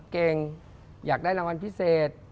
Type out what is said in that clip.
เก่งอยากได้รางวัลพิเศษ